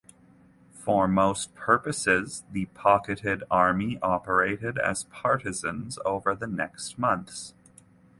For most purposes the pocketed Army operated as partisans over the next months.